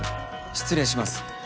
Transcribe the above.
・失礼します。